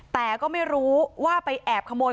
แต่ก็ไม่รู้ว่าไปแอบขโมย